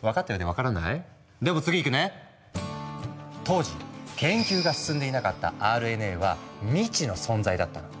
当時研究が進んでいなかったＲＮＡは未知の存在だったの。